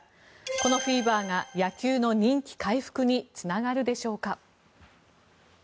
このフィーバーが野球の人気回復につながるでしょうか。